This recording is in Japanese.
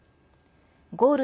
ゴール